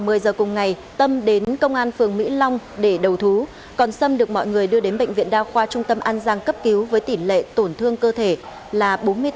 một ngày tâm đến công an phường mỹ long để đầu thú còn sâm được mọi người đưa đến bệnh viện đa khoa trung tâm an giang cấp cứu với tỉ lệ tổn thương cơ thể là bốn mươi tám